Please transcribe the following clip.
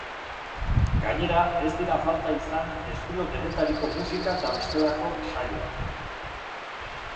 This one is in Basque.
Gainera, ez dira falta izan estilo denetariko musika eta bestelako saioak.